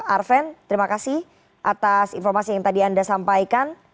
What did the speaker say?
arven terima kasih atas informasi yang tadi anda sampaikan